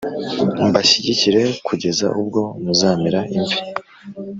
mbashyigikire kugeza ubwo muzamera imvi.